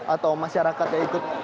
atau masyarakat yang ikut